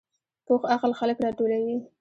پوخ عقل خلک راټولوي